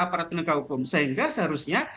aparat penegak hukum sehingga seharusnya